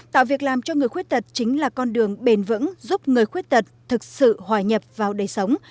tạo việc làm cho người khuyết tật chính là con đường bền vững giúp người khuyết tật thực sự hòa nhập vào đời sống